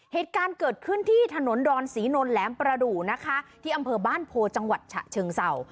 เหตุการณ์เกิดขึ้นที่ถนนดอนศรีนนท์แหลมประดูนะคะที่อำเภอบ้านโพจังหวัดฉะเชิงเศร้า